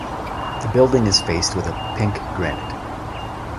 The building is faced with a pink granite.